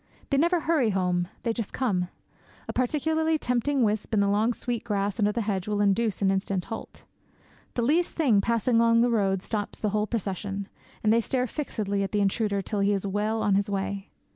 They never hurry home; they just come. A particularly tempting wisp in the long sweet grass under the hedge will induce an instant halt. The least thing passing along the road stops the whole procession; and they stare fixedly at the intruder till he is well on his way.